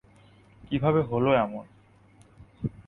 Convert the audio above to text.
কীভাবে হলো এমন?